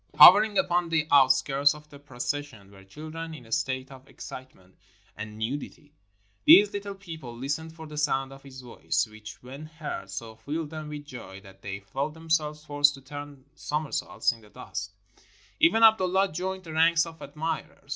Hovering upon the out skirts of the procession were children in a state of ex citement and nudity. These little people listened for the sound of his voice, which, when heard, so filled them with joy that they felt themselves forced to turn somer saults in the dust. Even Abdullah joined the ranks of admirers.